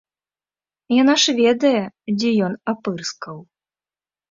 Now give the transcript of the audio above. Яна ж ведае, дзе ён апырскаў.